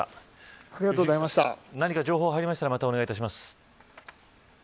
何か情報が入りましたらまた、お願いします。